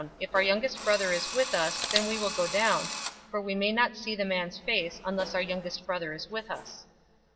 If our youngest brother is with us, then we will go down: for we may not see the man's face, unless our youngest brother is with us.'